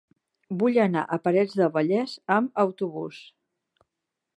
Vull anar a Parets del Vallès amb autobús.